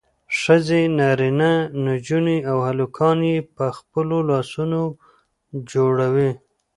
ښځې نارینه نجونې او هلکان یې په خپلو لاسونو جوړوي.